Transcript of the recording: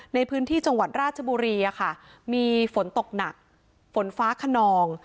ในพื้นที่จังหวัดราชบุรีมีฝนตกหนักฝนฟ้าขนอง